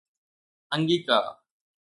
انگيڪا